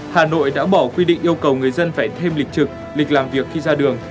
hà nội đã bỏ quy định yêu cầu người dân phải thêm lịch trực lịch làm việc khi ra đường